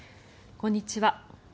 こんにちは。